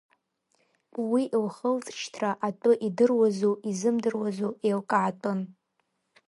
Уи лхылҵшьҭра атәы идыруазу изымдыруазу еилкаатәын.